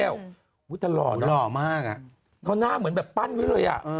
วู้แต่หล่อ